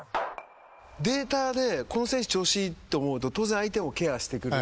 データでこの選手調子いいって思うと当然相手もケアしてくる。